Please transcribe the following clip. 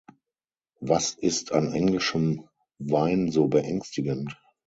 Was ist an englischem Wein so beängstigend?